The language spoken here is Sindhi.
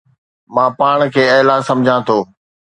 مان پاڻ کي اعليٰ سمجهان ٿو